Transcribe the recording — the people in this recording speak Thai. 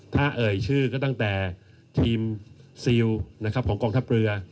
ถ้าเอ่ยชื่อก็ตั้งแต่ทีมซิลนะครับของกองทัพเรือ